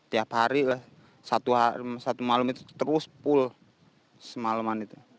tiap hari lah satu malam itu terus pul semalaman itu